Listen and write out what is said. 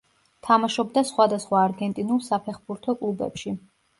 თამაშობდა სხვადასხვა არგენტინულ საფეხბურთო კლუბებში.